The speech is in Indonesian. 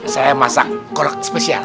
saya masak kolak spesial